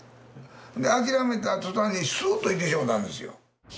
で諦めた途端にスーッといってしまったんですよ。